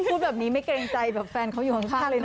พูดแบบนี้ไม่เกรงใจแบบแฟนเขาอยู่ข้างเลยนะ